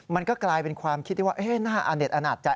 มันก็กลายเป็นความคิดที่ว่าน่าอาเด็ดอนาจใจ